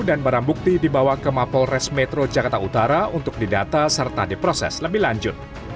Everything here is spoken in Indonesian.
dan barang bukti dibawa ke mapol res metro jakarta utara untuk didata serta diproses lebih lanjut